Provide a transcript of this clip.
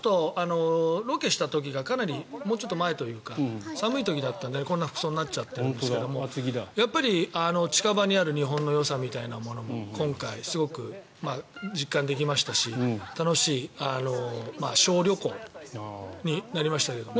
ロケした時がかなりもうちょっと前というか寒い時だったのでこんな服装になっちゃってるんですがやっぱり近場にある日本のよさみたいなものも今回、すごく実感できましたし楽しい小旅行になりましたけどね。